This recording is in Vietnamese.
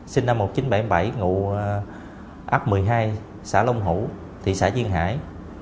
sinh năm một nghìn chín trăm bảy mươi bảy ngụ ấp một mươi hai xã long hủ thị xã duyên hải